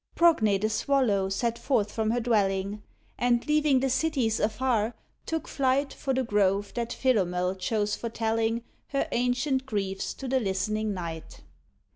Progne, the Swallow, set forth from her dwelling, And, leaving the cities afar, took flight For the grove that Philomel chose for telling Her ancient griefs to the listening night.